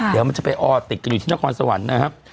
เดี๋ยวมันจะไปออติดกันอยู่ที่นครสวรรค์นะครับ